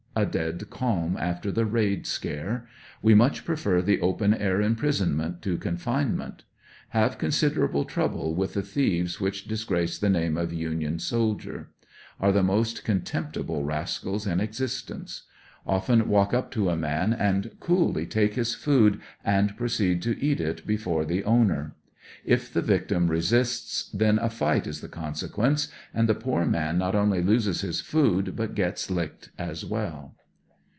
A dead calm after the raid scare. We much prefer the open air imprisonment to confinement. Have considerable trouble with the thieves which disgrace the name of union soldier. Are the most contemptible rascals in existence. Often walk up to a man and coolly take his food and proceed to eat it before the owner. If ihe victim resists then a fight is the consequence, and the poor man not only loses his food but gets licked as well.